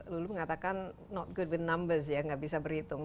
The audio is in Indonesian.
luluh mengatakan not good with numbers ya nggak bisa berhitung